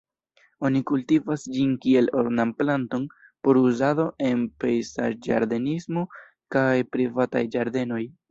Oni kultivas ĝin kiel ornam-planton por uzado en pejzaĝ-ĝardenismo kaj privataj ĝardenoj.